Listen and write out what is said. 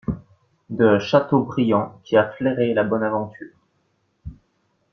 De Châteaubriand qui a flairé la bonne aventure.